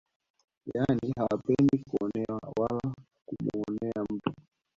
Yaani hawapendi kuonewa wala kumuonea mtu